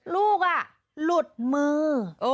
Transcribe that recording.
ลูกหลุดมือ